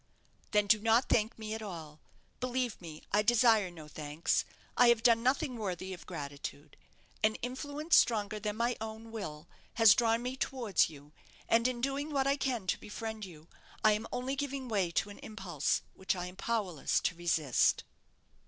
"Then do not thank me at all. Believe me, I desire no thanks. I have done nothing worthy of gratitude. An influence stronger than my own will has drawn me towards you; and in doing what I can to befriend you, I am only giving way to an impulse which I am powerless to resist."